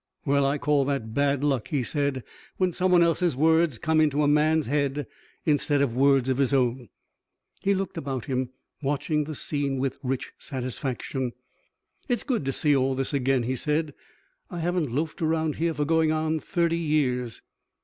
"Well, I call that bad luck," he said, "when some one else's words come into a man's head instead of words of his own." He looked about him, watching the scene with rich satisfaction. "It's good to see all this again," he said. "I haven't loafed around here for going on thirty years."